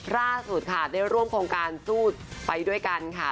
ล่าสุดค่ะได้ร่วมโครงการสู้ไปด้วยกันค่ะ